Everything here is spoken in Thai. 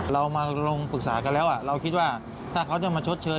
เรามาลงปรึกษากันแล้วเราคิดว่าถ้าเขาจะมาชดเชย